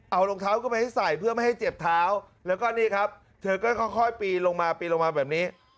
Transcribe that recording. เอารองเท้าขึ้นไปให้ใส่เพื่อไม่ให้เจ็บเท้าแล้วก็นี่ครับเธอก็ค่อยปีนลงมาปีนลงมาแบบนี้